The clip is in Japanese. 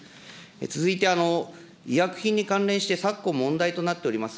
続いて、医薬品に関連して昨今、問題となっております